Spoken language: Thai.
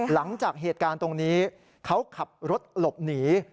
หลังจากเหตุการณ์ตรงนี้เขาขับรถหลบหนี